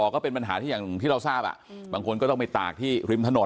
ก็เป็นปัญหาที่อย่างที่เราทราบอ่ะบางคนก็ต้องไปตากที่ริมถนน